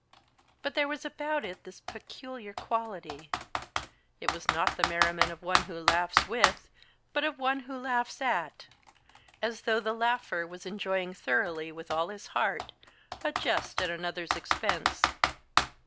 But there was about it this peculiar quality it was not the merriment of one who laughs with, but of one who laughs at; as though the laugher was enjoying thoroughly, with all his heart, a jest at another's expense.